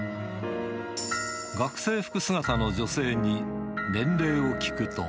学生服姿の女性に、年齢を聞くと。